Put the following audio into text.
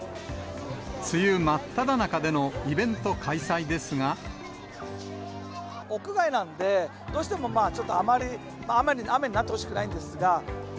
梅雨真っただ中でのイベント屋外なんで、どうしてもちょっとあまり雨になってほしくないんですが。